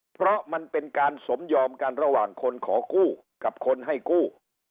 เพราะมันเป็นการสมยอมกันระหว่างคนขอกู้กับคนให้กู้